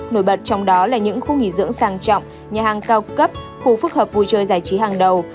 nổi bật trong đó là những khu nghỉ dưỡng sàng trọng nhà hàng cao cấp khu phức hợp vui chơi giải trí hàng đầu